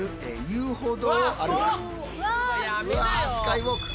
うわスカイウォーク。